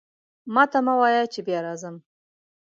ماته مه وایه چې بیا راځم.